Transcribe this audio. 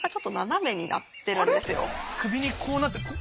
首にこうなって。